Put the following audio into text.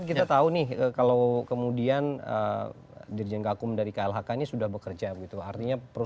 kita akan break dulu